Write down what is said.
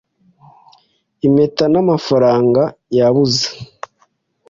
Impeta n'amafaranga yabuze.